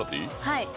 はい。